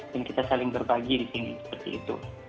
dan kita saling berbagi di sini seperti itu